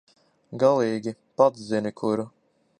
Galīgi, pats zini, kur.